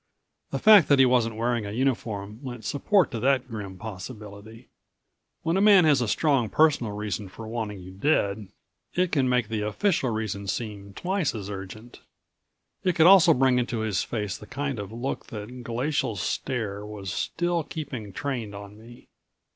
The fact that he wasn't wearing a uniform lent support to that grim possibility. When a man has a strong personal reason for wanting you dead it can make the official reason seem twice as urgent. It could also bring into his face the kind of look that Glacial Stare was still keeping trained on me.